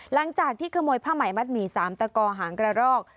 หลังจากที่ขโมยผ้าไหมมัดหมี่๓ตะกอหางกระรอก